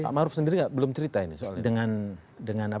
pak ma'ruf sendiri belum cerita ini soalnya